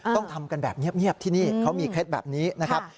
ต้องทำกันแบบเงียบที่นี่เขามีเคล็ดแบบนี้นะครับ